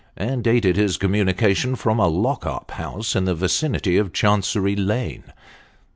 and dated his communica tion from a lock up house in the vicinity of Chancery Lane.